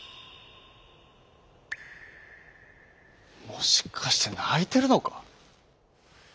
「もしかしてないてるのか？」。